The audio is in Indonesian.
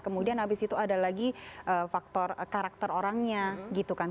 kemudian abis itu ada lagi faktor karakter orangnya gitu kan